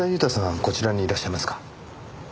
こちらにいらっしゃいますか？